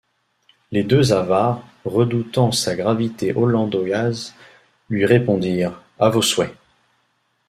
les deux avares, redoubtant sa gravité hollandoyse, luy respondirent: « A vos souhaits!